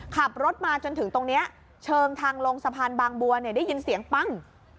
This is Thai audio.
ขับรถมาจนถึงตรงนี้เชิงทางลงสะพานบางบัวเนี่ยได้ยินเสียงปั้ง